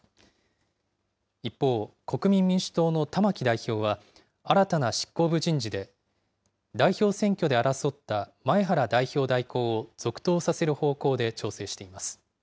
一方、国民民主党の玉木代表は、新たな執行部人事で、代表選挙で争った前原代表代行を続投させる方向で調整しています。